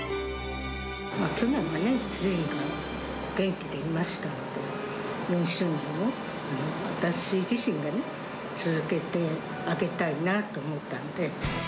去年は主人が元気でいましたので、４周年も私自身が続けてあげたいなと思ったんで。